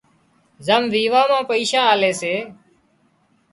زم ويوان مان پئيشا آلي سي